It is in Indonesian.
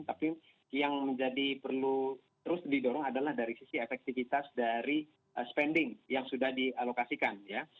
tapi yang menjadi perlu terus didorong adalah dari sisi efektivitas dari spending yang sudah dialokasikan ya